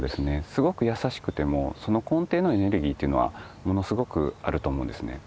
すごく優しくてもその根底のエネルギーというのはものすごくあると思うんですね。